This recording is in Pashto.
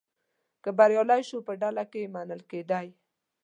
که بریالی شو په ډله کې منل کېدی.